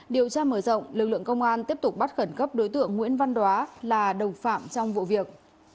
điều tra mở rộng lực lượng công an tiếp tục bắt khẩn cấp đối tượng nguyễn văn đoá là đồng phạm trong vụ việc